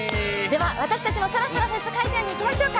私たちも、そろそろフェス会場に行きましょうか。